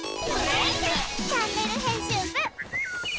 「チャンネル編集部」！